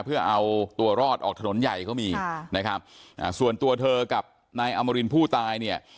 เพื่อเอาตัวรอดออกถนนใหญ่ก็มีค่ะนะครับส่วนตัวเธอกับนายอมรินผู้ตายเนี่ย